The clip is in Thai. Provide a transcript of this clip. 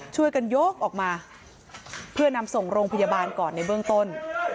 ช่วยกันยกออกมาเพื่อนำส่งโรงพยาบาลก่อนในเบื้องต้น